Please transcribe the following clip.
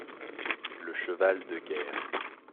Le cheval de guerre.